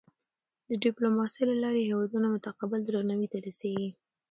د ډیپلوماسۍ له لارې هېوادونه متقابل درناوي ته رسيږي.